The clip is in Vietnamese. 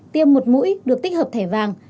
tiêm một mũi được tích hợp thẻ vàng